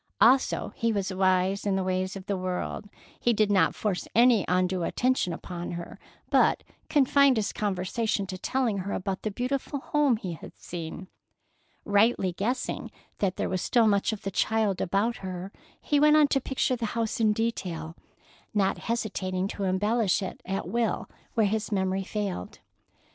Also, he was wise in the ways of the world, he did not force any undue attention upon her, but confined his conversation to telling her about the beautiful home he had seen. Rightly guessing that there was still much of the child about her, he went on to picture the house in detail, not hesitating to embellish it at will where his memory failed.